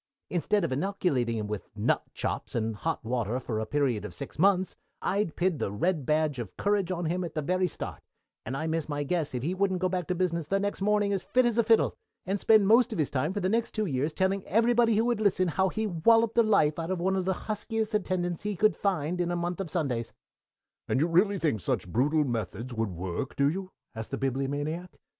Instead of inoculating him with Nut chops and hot water for a weary period of six months, I'd pin the red badge of courage on him at the very start; and I miss my guess if he wouldn't go back to business the next morning as fit as a fiddle, and spend most of his time for the next two years telling everybody who would listen how he walloped the life out of one of the huskiest attendants he could find in a month of Sundays." "And you really think such brutal methods would work, do you?" asked the Bibliomaniac.